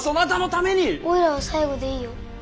おいらは最後でいいよ。